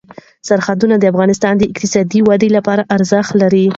سرحدونه د افغانستان د اقتصادي ودې لپاره ارزښت لري.